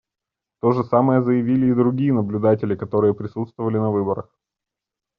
То же самое заявили и другие наблюдатели, которые присутствовали на выборах.